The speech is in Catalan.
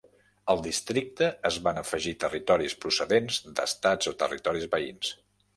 Al districte es van afegir territoris procedents d'estats o territoris veïns.